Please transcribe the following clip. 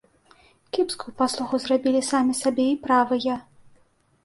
Кепскую паслугу зрабілі самі сабе і правыя.